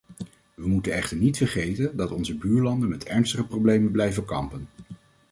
We moeten echter niet vergeten dat onze buurlanden met ernstige problemen blijven kampen.